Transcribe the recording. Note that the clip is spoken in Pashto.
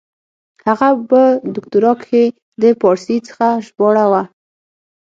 هغه په دوکتورا کښي د پاړسي څخه ژباړه وه.